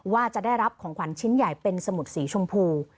ว่าจะได้รับของขวัญชิ้นใหญ่เป็นสมุดสีชมพู